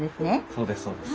そうですそうです。